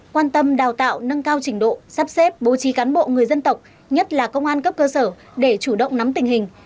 quan tâm đào tạo nâng cao trình độ sắp xếp bố trí cán bộ người dân tộc nhất là công an cấp cơ sở để chủ động nắm tình hình